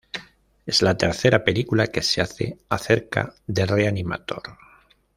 Es la tercera película que se hace acerca de re-animator.